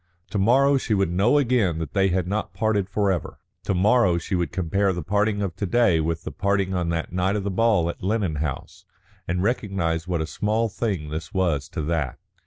To morrow she would know again that they had not parted forever, to morrow she would compare the parting of to day with the parting on the night of the ball at Lennon House, and recognise what a small thing this was to that.